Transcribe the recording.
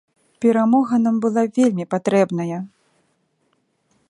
Перамога нам была вельмі патрэбная.